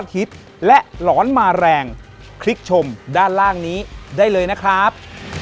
ขอบคุณครับ